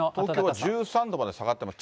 東京は１３度まで下がってます。